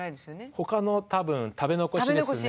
ほかの多分食べ残しですね。